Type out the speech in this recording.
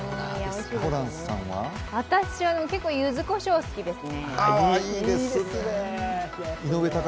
私はゆずこしょう、好きですね。